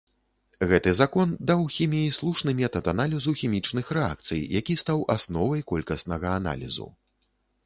Гэты закон даў хіміі слушны метад аналізу хімічных рэакцый, які стаў асновай колькаснага аналізу.